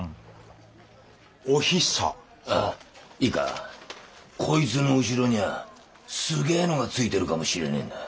いいかこいつの後ろにはすげえのがついてるかもしれねえんだ。